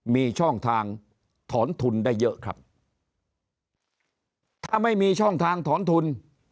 มีช่องทางถอนทุนได้เยอะครับถ้าไม่มีช่องทางถอนทุน